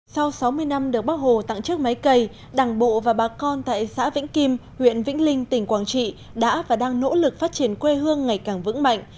sau sáu mươi năm được bác hồ tặng chiếc máy cày đảng bộ và bà con tại xã vĩnh kim huyện vĩnh linh tỉnh quảng trị đã và đang nỗ lực phát triển quê hương ngày càng vững mạnh